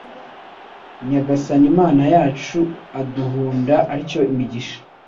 Nyagasani Imana yacu aduhunda atyo imigisha